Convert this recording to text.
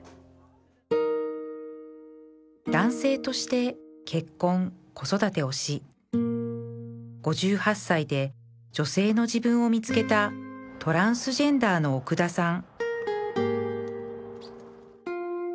男性として結婚子育てをし５８歳で女性の自分を見つけたトランスジェンダーの奥田さん